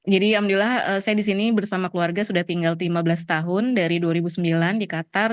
jadi alhamdulillah saya disini bersama keluarga sudah tinggal lima belas tahun dari dua ribu sembilan di qatar